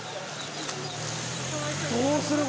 どうする？